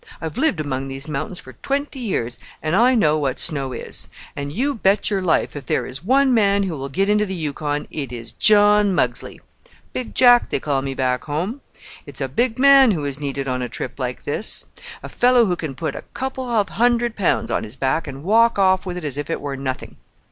I've lived among these mountains for twenty years, and I know what snow is; and you bet your life if there is one man who will get into the Yukon it is John Muggsley! Big Jack they called me back home. It's a big man who is needed on a trip like this, a fellow who can put a couple of hundred pounds on his back and walk off with it as if it were nothing.